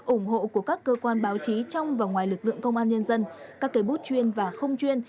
ủng hộ của các cơ quan báo chí trong và ngoài lực lượng công an nhân dân các cây bút chuyên và không chuyên